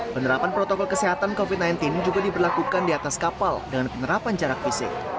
penerapan protokol kesehatan covid sembilan belas juga diberlakukan di atas kapal dengan penerapan jarak fisik